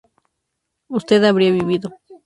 usted habría vivido